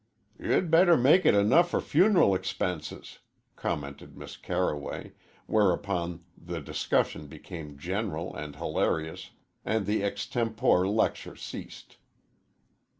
"You'd better make it enough for funeral expenses," commented Miss Carroway; whereupon the discussion became general and hilarious, and the extempore lecture ceased.